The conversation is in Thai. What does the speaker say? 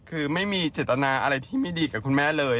คือไม่มีเจตนาอะไรที่ไม่ดีกับคุณแม่เลย